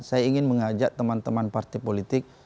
saya ingin mengajak teman teman partai politik